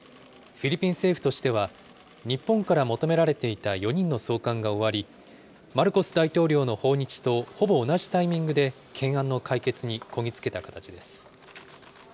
フィリピン政府としては、日本から求められていた４人の送還が終わり、マルコス大統領の訪日とほぼ同じタイミングで、懸案の解決にこぎ着けた形です。